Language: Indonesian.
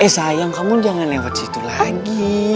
eh sayang kamu jangan lewat situ lagi